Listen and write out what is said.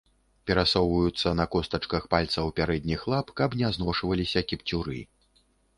Перасоўваюцца на костачках пальцаў пярэдніх лап, каб не зношваліся кіпцюры.